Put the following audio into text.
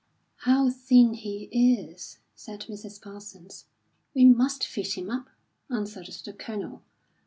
"How thin he is!" said Mrs. Parsons. "We must feed him up," answered the Colonel.